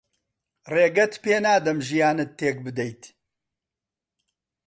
ڕێگەت پێ نادەم ژیانت تێک بدەیت.